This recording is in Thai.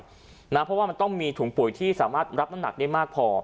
เพราะว่ามันต้องมีถุงปุ๋ยที่สามารถรับน้ำหนักได้มากพอ